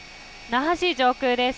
那覇市上空です。